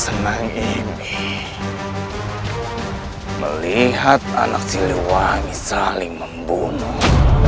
senang ini melihat anak si luwangi seraling membunuh